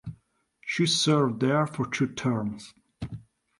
She served there for two terms.